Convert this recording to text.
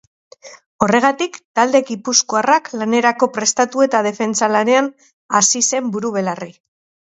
Horregatik, talde gipuzkoarrak lanerako prestatu eta defentsa lanean hasi zen buru-belarri.